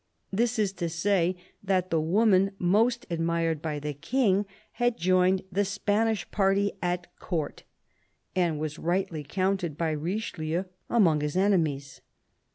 This is to say that the woman most admired by the King had joined the Spanish party at Court and was rightly counted by Richelieu among his enemies.